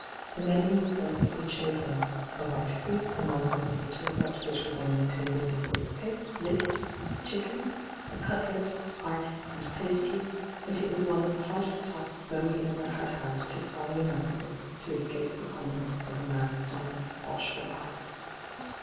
The menu was delicately chosen : a white soup, a morsel of the turbot which was on the table (Thdte list, chicken, a hyGoogIc 122 ENTRAPPED catlet, ioe, and pastry ; bnt it was one of the hardest tasks Zee ever had had to swallow enough of it to escape the comment of the man's dark, watchful eyes.